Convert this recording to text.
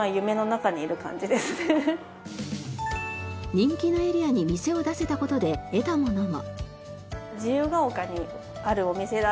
人気のエリアに店を出せた事で得たものも。